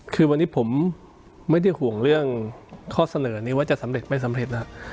คือวันนี้ผมไม่ได้ห่วงเรื่องข้อเสนอนี้ว่าจะสำเร็จไม่สำเร็จนะครับ